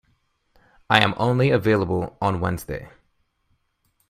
I am only available on Wednesday.